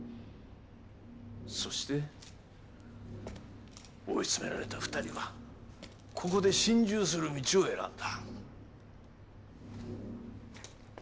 そして追い詰められた２人はここで心中する道を選んだ。